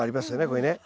これね。